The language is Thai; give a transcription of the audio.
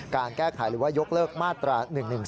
การแก้ไขหรือว่ายกเลิกมาตรา๑๑๒